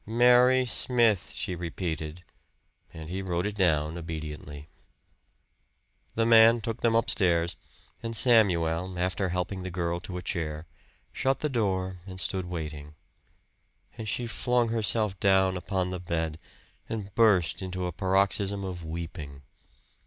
"Mary Smith," she repeated, and he wrote it down obediently. The man took them upstairs; and Samuel, after helping the girl to a chair, shut the door and stood waiting. And she flung herself down upon the bed and burst into a paroxysm of weeping.